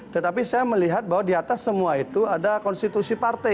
tetapi saya melihat bahwa di atas semua itu ada konstitusi partai